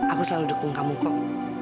aku selalu dukung kamu kok